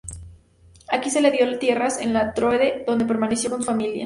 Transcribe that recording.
Aquí se le dio tierras en la Tróade, donde permaneció con su familia.